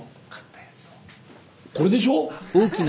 これでしょう？